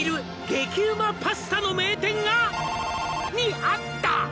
「激ウマパスタの名店が○○にあった」